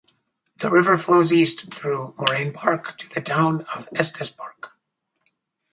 The river flows east through Moraine Park to the town of Estes Park.